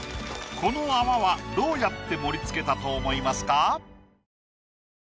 この泡はどうやって盛りつけたと思いますか？